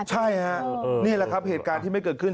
ใช่ฮะนี่แหละครับเหตุการณ์ที่ไม่เกิดขึ้น